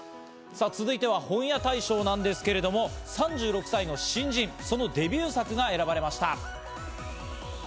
続いては本屋大賞なんですけれども、３６歳の新人、そのデビュー作が選ばれました。